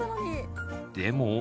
でも。